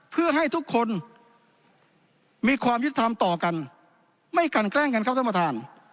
เพื่อให้ทุกคนมีความยุติธรรมต่อกันไม่กันแกล้งกันครับท่านประธาน